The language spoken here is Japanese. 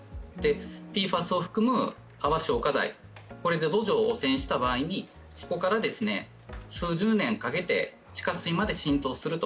ＰＦＡＳを含む泡消火剤、これで土壌を汚染した場合にそこから数十年かけて、地下水まで浸透すると。